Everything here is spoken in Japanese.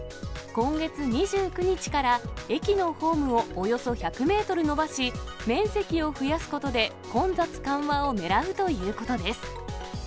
今月２９日から駅のホームをおよそ１００メートル延ばし、面積を増やすことで混雑緩和を狙うということです。